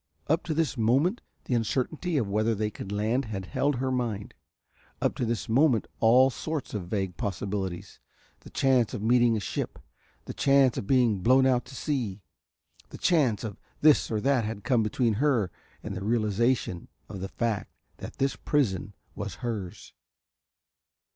Up to this moment the uncertainty of whether they could land had held her mind, up to this moment all sorts of vague possibilities, the chance of meeting a ship, the chance of being blown out to sea, the chance of this or that had come between her and the realisation of the fact that this prison was hers.